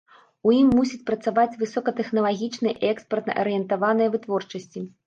У ім мусяць працаваць высокатэхналагічныя і экспартна-арыентаваныя вытворчасці.